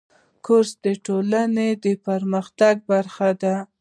کورس د ټولنې د پرمختګ برخه ده.